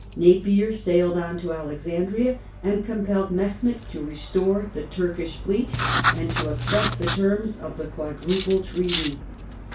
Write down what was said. Napier sailed on to Alexandria, and compelled Mehemet to restore the Turkish fleet, and to accept the terms of the Quadruple Treaty.